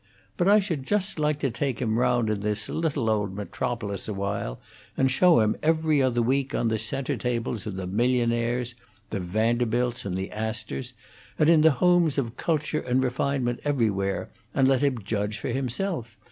But I should just like to take him round in this little old metropolis awhile, and show him 'Every Other Week' on the centre tables of the millionaires the Vanderbilts and the Astors and in the homes of culture and refinement everywhere, and let him judge for himself.